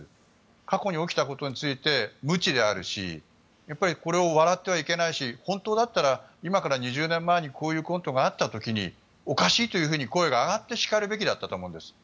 過去に起きたことについて無知であるしこれを笑ってはいけないし本当だったら今から２０年前にこういうコントがあった時におかしいというふうに声が上がってしかるべきだったと思います。